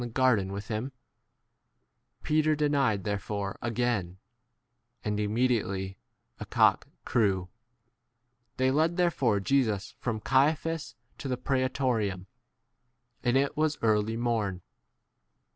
09. u T. R. reads 'the Jews always.' denied therefore again, and imme diately a cock crew. 28 They lead therefore Jesus from Caiaphas to the prsetorium; and it was early morn.